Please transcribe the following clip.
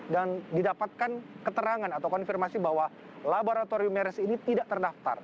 dan didapatkan keterangan atau konfirmasi bahwa laboratorium mersi ini tidak terdaftar